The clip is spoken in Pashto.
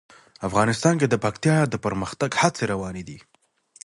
افغانستان کې د پکتیا د پرمختګ هڅې روانې دي.